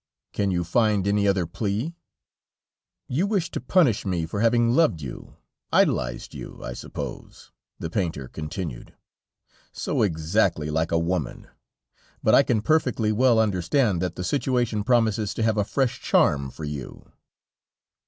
"Can you find any other plea?" "You wish to punish me for having loved you, idolized you, I suppose?" the painter continued. "So exactly like a woman! But I can perfectly well understand that the situation promises to have a fresh charm for you..."